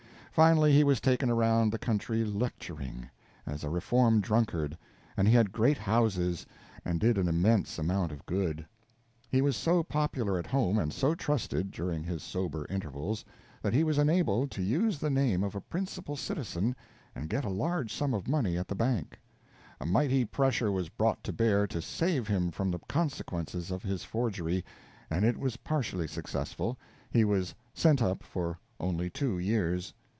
Finally, he was taken around the country lecturing, as a reformed drunkard, and he had great houses and did an immense amount of good. He was so popular at home, and so trusted during his sober intervals that he was enabled to use the name of a principal citizen, and get a large sum of money at the bank. A mighty pressure was brought to bear to save him from the consequences of his forgery, and it was partially successful he was "sent up" for only two years.